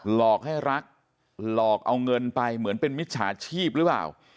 หลอกให้รักหลอกเอาเงินไปเหมือนเป็นมิจฉาชีพหรือเปล่า